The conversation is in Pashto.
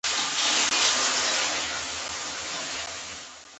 راکټ د راتلونکو ستورمزلو اساس جوړوي